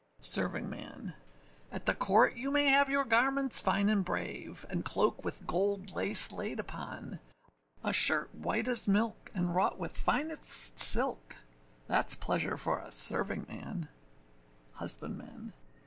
SERVINGMAN. At the court you may have your garments fine and brave, And cloak with gold lace laid upon, A shirt as white as milk, and wrought with finest silk: Thatâs pleasure for a servingman! HUSBANDMAN.